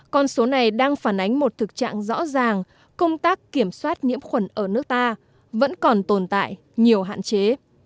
con số này đang phản ánh một thực trạng rõ ràng công tác kiểm soát nhiễm khuẩn ở nước ta vẫn còn tồn tại nhiều hạn chế